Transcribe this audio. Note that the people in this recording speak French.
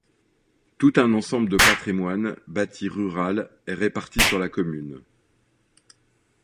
Tout un ensemble de patrimoine bâti rural est réparti sur la commune.